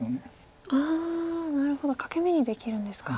ああなるほど欠け眼にできるんですか。